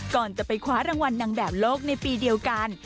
ก่อนจะไปคว้ารางวัลนางแบบโลกในปีเดียวกัน